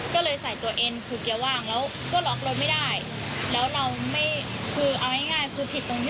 ก็เลยใส่ตัวเอ็นถูกเกียร์ว่างแล้วก็ล็อกรถไม่ได้